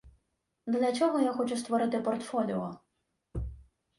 Для чого я хочу створити портфоліо?